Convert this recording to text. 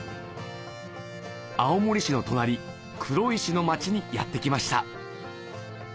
青森市の隣黒石の町にやって来ました